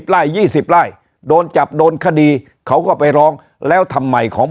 ไล่๒๐ไร่โดนจับโดนคดีเขาก็ไปร้องแล้วทำไมของ